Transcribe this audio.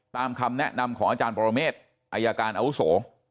คำแนะนำของอาจารย์ปรเมฆอายการอาวุโส